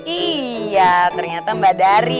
iya ternyata mbak dari